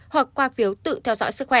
hoặc qua phiếu tự theo dõi sức khỏe